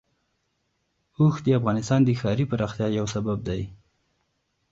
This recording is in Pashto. اوښ د افغانستان د ښاري پراختیا یو سبب دی.